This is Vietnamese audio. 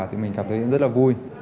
thì mình cảm thấy rất là vui